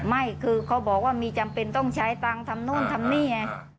ไม่คือเขาบอกว่ามีจำเป็นต้องใช้ตังค์ทำนู่นทำนี่ไง